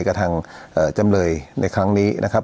กับทางจำเลยในครั้งนี้นะครับ